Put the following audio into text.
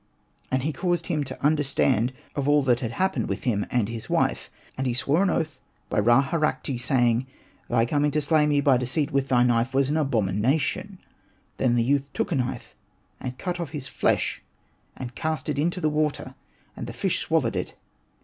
'' And he caused him to under stand of all that happened with him and his Hosted by Google ANPU AND BATA 47 wife. And he swore an oath by Ra Har akhti, saying, '' Thy coming to slay me by deceit with thy knife was an abomination/' Then the youth took a knife, and cut off of his flesh, and cast it into the water, and the fish swallowed it.